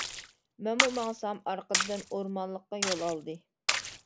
مەنمۇ ماڭسام ئارقىدىن، ئورمانلىققا يول ئالدى.